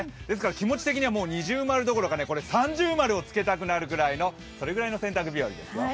気持ち的には二重○どころか三重○をつけたくなるくらいのそれぐらいの洗濯日和ですよ。